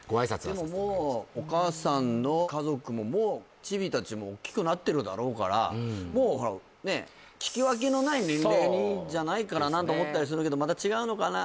でもお母さんの家族ももうチビたちもおっきくなってるだろうからもうほらね聞き分けのない年齢じゃないからなと思ったりするけどまた違うのかな